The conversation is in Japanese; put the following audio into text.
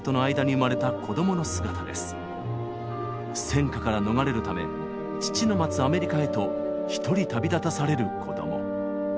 戦火から逃れるため父の待つアメリカへと一人旅立たされる子供。